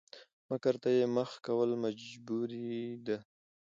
مکر ته يې مخه کول مجبوري ده؛